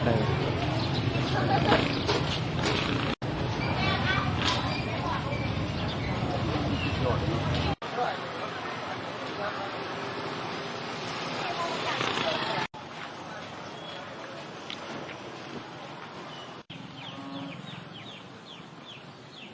สาวเล็กน่ะจ้านั่นน่ะอุยายครับอำหน้ากามเมื่อห้าหมื่นกว่าบาทอืม